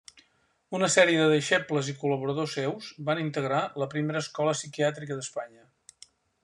Una sèrie de deixebles i col·laboradors seus van integrar la primera escola psiquiàtrica d'Espanya.